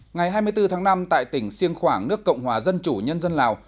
ngày hai mươi bốn tháng năm tại tỉnh siêng khoảng nước cộng hòa dân chủ nhân dân lào